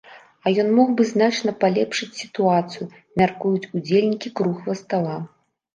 А ён мог бы значна палепшыць сітуацыю, мяркуюць удзельнікі круглага стала.